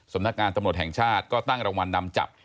สำนักงานตำรวจแห่งชาติก็ตั้งรางวัลนำจับ